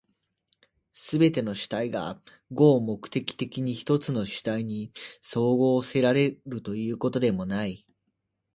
すべての主体が合目的的に一つの主体に綜合せられるということでもない。